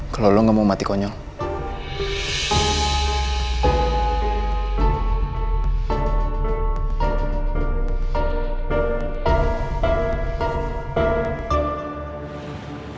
kalau lo gak mau mati konyol